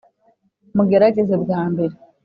mugerageze bwa mbere.